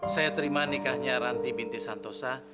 saya terima nikahnya ranti binti santosa